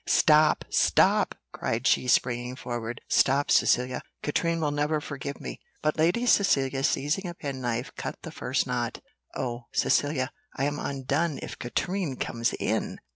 "Stop, stop!" cried she, springing forward, "stop, Cecilia; Katrine will never forgive me!" But Lady Cecilia seizing a penknife, cut the first knot. "Oh, Cecilia, I am undone if Katrine comes in!